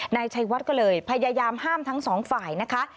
นายชัยวัดก็เลยพยายามห้ามทั้งสองฝ่ายนะคะ